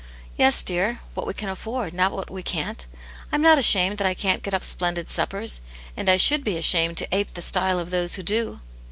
" Yes, dear, what we can afford, not what we Cfin't. I am not ashamed that I can't get up splendid sup pers ; and I should be ashamed to ape the style of those who do."